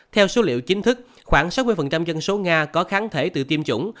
theo số liệu chính thức khoảng sáu mươi dân số nga có kháng thể tự tiêm chủng